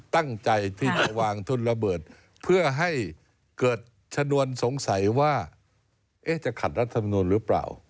ตั้งใจที่จะวางทุนระเบิดเพื่อให้เกิดชนวนสงสัยว่าจะขัดรัฐมนุนหรือเปล่า